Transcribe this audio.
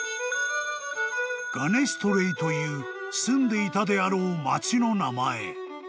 ［ガネストレイという住んでいたであろう町の名前］